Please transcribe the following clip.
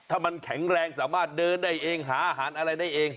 ถ้ามันแข็งแรงสามารถเดินได้เองหาอาหารอะไรได้เอง